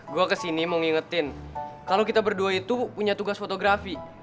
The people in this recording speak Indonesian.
gue kesini mau ngingetin kalau kita berdua itu punya tugas fotografi